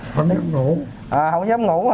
không dám ngủ